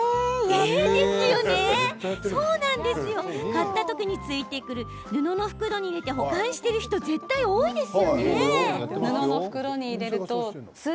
買った時についてくる布の袋に入れて保管している人って多いのでは？